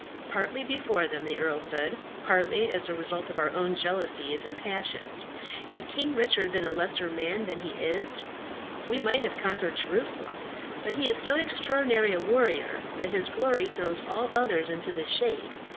"Partly before them," the earl said, "partly as the result of our own jealousies and passions. Had King Richard been a lesser man than he is, we might have conquered Jerusalem. But he is so extraordinary a warrior that his glory throws all others into the shade.